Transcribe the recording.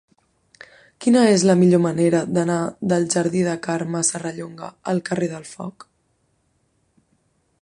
Quina és la millor manera d'anar del jardí de Carme Serrallonga al carrer del Foc?